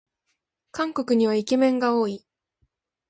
韓国にはイケメンが多い